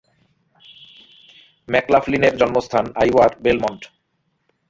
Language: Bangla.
ম্যাকলাফলিনের জন্মস্থান আইওয়ার বেলমন্ড।